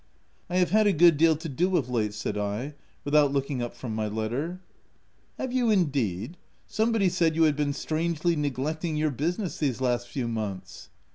11 I have had a good deal to do of late," said I, without looking up from my letter. ,c Have you indeed ! Somebody said you had been strangely neglecting your business these last few months."